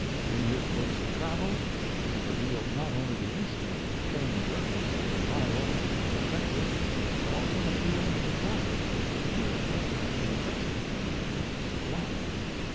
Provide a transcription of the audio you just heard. In his books of travel, he reveals not only the instinct of the trained journalist for the novel and the effective, but also the feeling of the artist for the beautiful, the impressive, and the sublime.